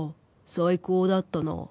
最高だったな」